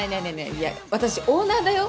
いや私オーナーだよ？